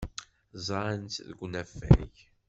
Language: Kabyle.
Ẓran-tt deg unafag.